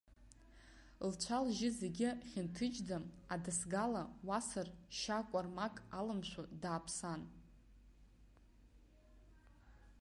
Лцәа-лжьы зегьы хьынҭыџьӡа, адасгала уасыр шьа-кәармак алымшәо дааԥсан.